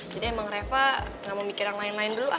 jadi emang reva gak mau mikir yang lain lain dulu ah